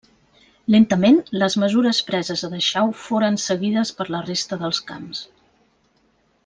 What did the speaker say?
Lentament les mesures preses a Dachau foren seguides per la resta dels camps.